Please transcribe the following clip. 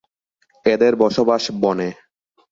এদের বসবাস বনে।